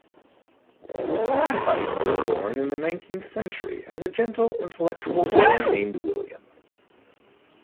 Spike was born in the nineteenth century as a gentle, intellectual boy named William.